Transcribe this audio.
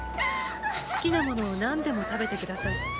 好きなものを何でも食べて下さい。